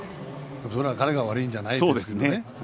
彼が悪いんじゃないんですけどね。